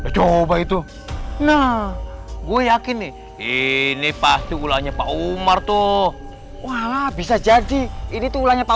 coba itu nah gue yakin nih ini pasti ulangnya pak umar tuh wah bisa jadi ini tuh ulahnya pak